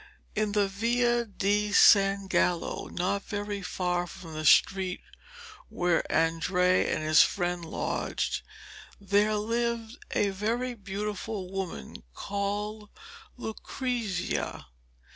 In the Via di San Gallo, not very far from the street where Andrea and his friend lodged, there lived a very beautiful woman called Lucrezia.